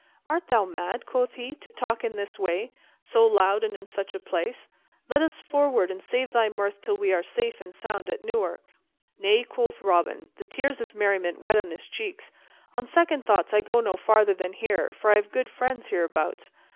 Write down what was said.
"Art thou mad," quoth he, "to talk in this way, so loud and in such a place? Let us forward, and save thy mirth till we are safe and sound at Newark." "Nay," quoth Robin, the tears of merriment wet on his cheeks, "on second thoughts I go no farther than here, for I have good friends hereabouts.